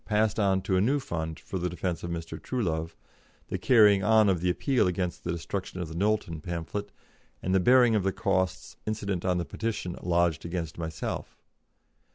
passed on to a new fund for the defence of Mr. Truelove, the carrying on of the appeal against the destruction of the Knowlton pamphlet, and the bearing of the costs incident on the petition lodged against myself.